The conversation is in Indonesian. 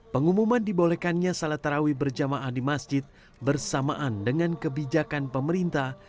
pengumuman dibolehkannya salat tarawih berjamaah di masjid bersamaan dengan kebijakan pemerintah